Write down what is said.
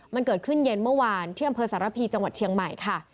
มันเกิดขึ้นเย็นเมื่อวานที่อำเภอสารพีจังหวัดเชียงใหม่ค่ะ